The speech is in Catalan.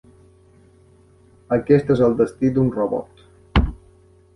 Aquest és el destí d'un robot.